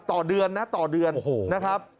ต่อเดือนนะต่อเดือนนะครับ